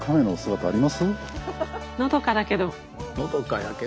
のどかだけど。